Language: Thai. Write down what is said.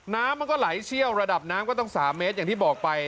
น้ำมันก็ไหลเชี่ยวระดับน้ำก็ตั้ง๓เมตรอย่างที่บอกไป